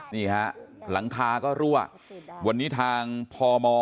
นี่ฮะหลังคาก็รั่ววันนี้ทางพม